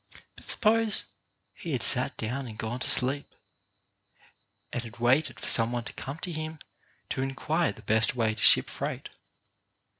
But suppose he had sat down and gone to sleep, and had waited for some one to come to him to inquire the best way to ship freight.